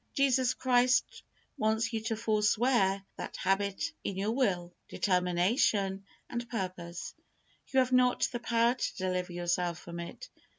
Jesus Christ wants you to forswear that habit in your will, determination, and purpose. You have not the power to deliver yourself from it.